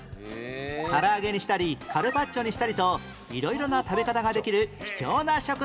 唐揚げにしたりカルパッチョにしたりと色々な食べ方ができる貴重な食材なんです